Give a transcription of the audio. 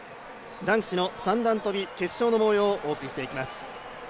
男子の三段跳、決勝の模様をお送りしていきます。